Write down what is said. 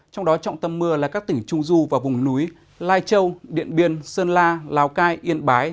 trong đó trọng tâm mưa là các tỉnh trung du và vùng núi lai châu điện biên sơn la lào cai yên bái